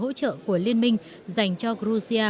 đối với các nội dung của liên minh dành cho russia và ukraine